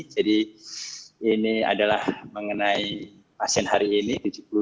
jadi ini adalah mengenai pasien hari ini tujuh puluh delapan